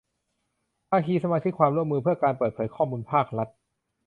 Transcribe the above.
ภาคีสมาชิกความร่วมมือเพื่อการเปิดเผยข้อมูลภาครัฐ